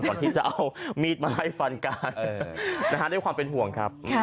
ก่อนที่จะเอามีดมาให้ฟันการณ์นะครับได้ความเป็นห่วงครับ